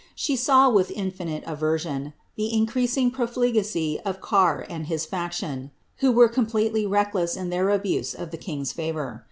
She saw, with infinite aversion, the increasing profligacy of Can* and his faction, who were completely reckless in their abuse of the king's favour.